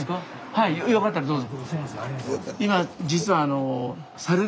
はいよかったらどうぞ。